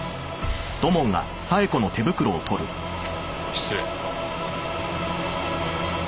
失礼。